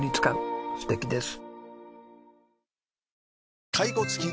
素敵です。